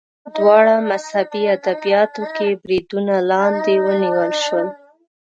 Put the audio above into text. دواړه مذهبي ادبیاتو کې بریدونو لاندې ونیول شول